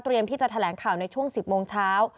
ที่จะแถลงข่าวในช่วง๑๐โมงเช้า